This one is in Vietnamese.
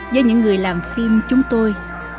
với những người làm phim chúng tôi